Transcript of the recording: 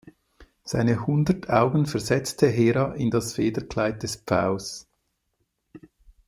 Seine hundert Augen versetzte Hera in das Federkleid des Pfaus.